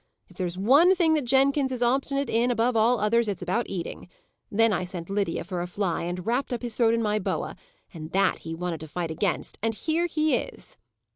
If there's one thing that Jenkins is obstinate in, above all others, it's about eating. Then I sent Lydia for a fly, and wrapped up his throat in my boa and that he wanted to fight against! and here he is!"